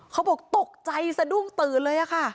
เขาบอกตกใจสะดุ้งตื่นเลยค่ะ